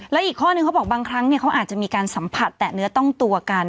แล้วอีกข้อนึงเขาบอกบางครั้งเขาอาจจะมีการสัมผัสแตะเนื้อต้องตัวกัน